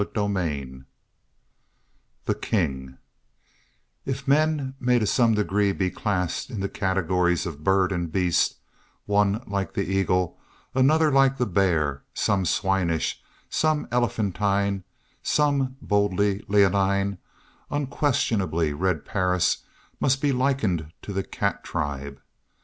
CHAPTER XV THE KING If men may to some degree be classed in categories of bird and beast, one like the eagle, another like the bear, some swinish, some elephantine, some boldly leonine, unquestionably Red Perris must be likened to the cat tribe.